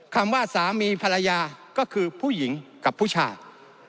คำว่าสามีภรรยาก็คือผู้หญิงกับผู้ชาย